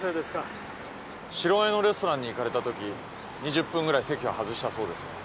白金のレストランに行かれたとき２０分ぐらい席を外したそうですね。